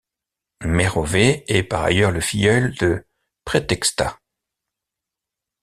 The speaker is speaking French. Mérovée est par ailleurs le filleul de Prétextat.